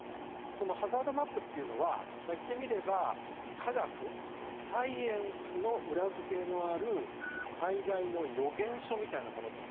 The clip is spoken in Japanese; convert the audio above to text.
そのハザードマップっていうのは言ってみれば科学サイエンスの裏付けのある災害の予言書みたいなものと。